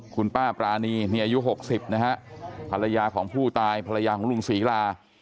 คุณป้าปรานีนี่อายุ๖๐นะฮะภรรยาของผู้ตายภรรยาของลุงศรีลา